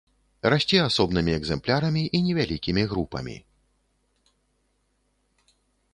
Расце асобнымі экземплярамі і невялікімі групамі.